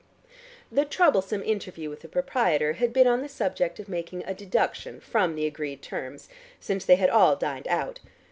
The troublesome interview with the proprietor had been on the subject of making a deduction from the agreed terms, since they had all dined out.